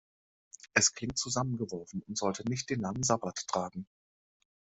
Es klingt zusammen geworfen, und sollte nicht den Namen Sabbat tragen.